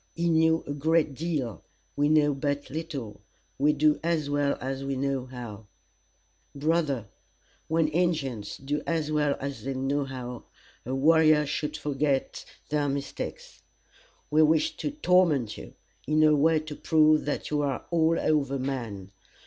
He knew a great deal. We know but little. We do as well as we know how. "Brother, when Injins do as well as they know how, a warrior should forget their mistakes. We wish to torment you, in a way to prove that you are all over man.